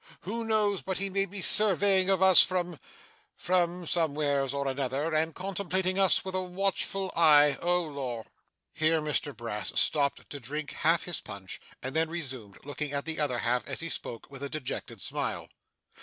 Who knows but he may be surveying of us from from somewheres or another, and contemplating us with a watchful eye! Oh Lor!' Here Mr Brass stopped to drink half his punch, and then resumed; looking at the other half, as he spoke, with a dejected smile.